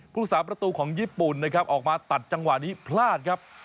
ผู้สาประตูของญี่ปุ่นนะครับออกมาตัดจังหวะนี้พลาดครับ